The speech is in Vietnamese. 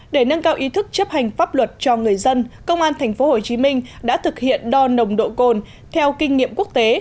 để nâng cao ý thức chấp hành pháp luật cho người dân công an tp hcm đã thực hiện đo nồng độ cồn theo kinh nghiệm quốc tế